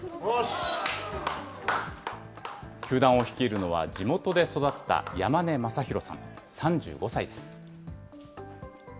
球団を率いるのは、地元で育った山根将大さん３５歳です。